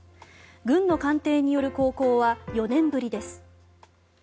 軍の艦艇による航行は４年ぶりです。